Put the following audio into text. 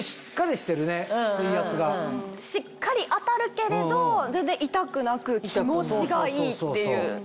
しっかり当たるけれど全然痛くなく気持ちがいいっていう。